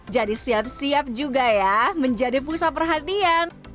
jadi siap siap juga ya menjadi pusat perhatian